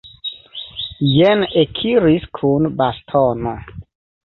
Jen ekiris kun bastono!